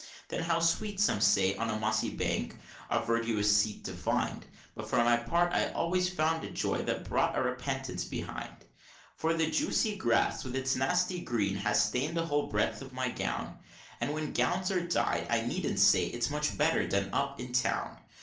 Then how sweet, some say, on a mossy bank a verdurous seat to find, But for my part I always found it a joy that brought a repentance behind; For the juicy grass with its nasty green has stained a whole breadth of my gown And when gowns are dyed, I needn't say, it's much better done up in town.